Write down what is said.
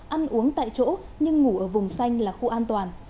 ăn uống tại chỗ nhưng ngủ ở vùng xanh là khu an toàn